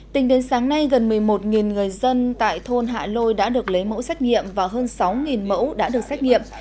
tính đến sáng nay gần một mươi một người dân tại thôn hạ lôi đã được lấy mẫu xét nghiệm và hơn sáu mẫu đã được xét nghiệm